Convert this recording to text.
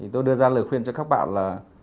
tôi đưa ra lời khuyên cho các bạn là